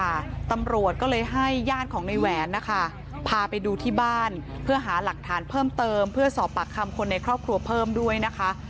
ตำรวจก็เลยให้ญาติของในแหวนนะคะพาไปดูที่บ้านเพื่อหาหลักฐานเพิ่มเติมเพื่อสอบปากคำคนในครอบครัวเพิ่มด้วยนะคะ